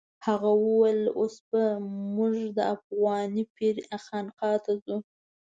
هغه وویل اوس به موږ د افغاني پیر خانقا ته ځو.